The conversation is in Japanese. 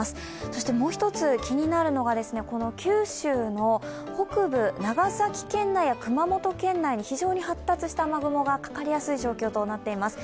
そしてもう一つ気になるのが九州北部、長崎県内や熊本県内に非常に発達した雨雲もがかかりやすい状況となっています。